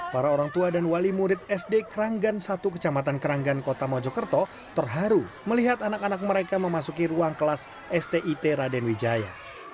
para orang tua dan wali murid sd keranggan satu kecamatan keranggan kota mojokerto terharu melihat anak anak mereka memasuki ruang kelas stit raden wijaya